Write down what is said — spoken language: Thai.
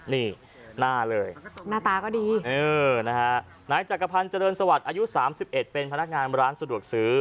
นี่หน้าเลยหน้าตาก็ดีเออนะฮะนายจักรพันธ์เจริญสวัสดิ์อายุ๓๑เป็นพนักงานร้านสะดวกซื้อ